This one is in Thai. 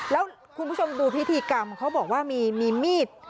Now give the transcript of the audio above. แล้วคุณผู้ชมดูพิธีกรรมเขาบอกว่ามีมีด